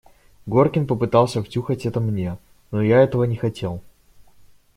Горкин попытался втюхать это мне, но я этого не хотел.